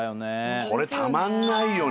これたまんないよね。